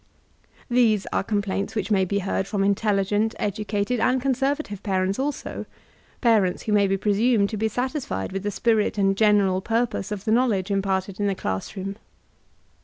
These are com plaints which may be heard from intelligent, educated, and conservative parents also,— parents who may be pre sumed to be satisfied with the spirit and general purpose of the knowledge imparted in the class room.